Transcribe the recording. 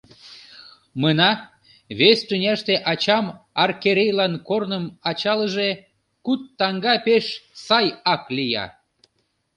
Мына, вес тӱняште ачам аркерейлан корным ачалыже, куд таҥга пеш сай ак лия.